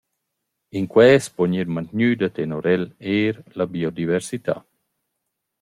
In quels po gnir mantgnüda tenor el eir la biodiversità.